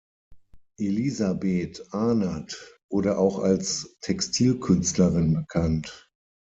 Elisabeth Ahnert wurde auch als Textilkünstlerin bekannt.